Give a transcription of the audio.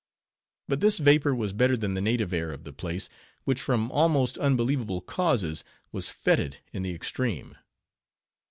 But this vapor was better than the native air of the place, which from almost unbelievable causes, was fetid in the extreme.